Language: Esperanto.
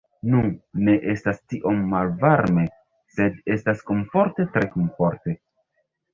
Nu, ne estas tiom malvarme sed estas komforte tre komforte